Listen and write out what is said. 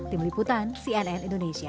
tim liputan cnn indonesia